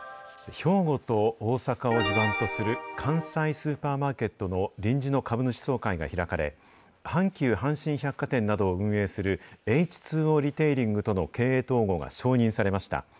兵庫と大阪を地盤とする関西スーパーマーケットの臨時の株主総会が開かれ、阪急阪神百貨店などを運営する、エイチ・ツー・オー・リテイリングとの経営統合が承認されました。